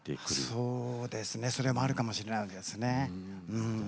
そうですねそれもあるかもしれないわけですよね。